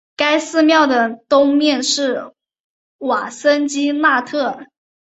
该寺庙的东面是瓦苏基纳特。